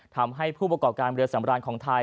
ทำให้ผู้ประกอบการเรือสำราญของไทย